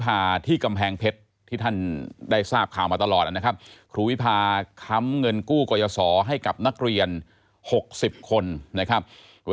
ยาท่าน้ำขาวไทยนครเพราะทุกการเดินทางของคุณจะมีแต่รอยยิ้ม